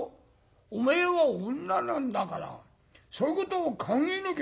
おめえは女なんだからそういうことを考えなきゃ駄目だよ。